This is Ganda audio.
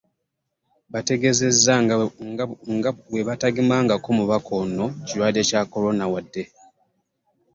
Bategeezezza nga bwe batagemangako mubaka ono kirwadde kya Corona wadde.